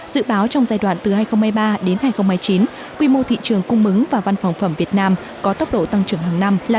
dự báo trong giai đoạn từ hai nghìn hai mươi ba đến hai nghìn hai mươi chín quy mô thị trường cung mứng và văn phòng phẩm việt nam có tốc độ tăng trưởng hàng năm là tám ba mươi bảy